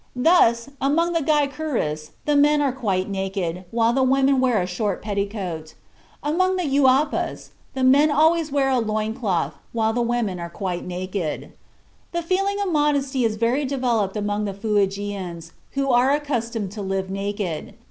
Thus, among the Guaycurus the men are quite naked, while the women wear a short petticoat; among the Uaupás the men always wear a loin cloth, while the women are quite naked. "The feeling of modesty is very developed among the Fuegians, who are accustomed to live naked.